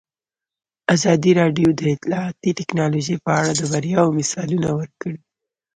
ازادي راډیو د اطلاعاتی تکنالوژي په اړه د بریاوو مثالونه ورکړي.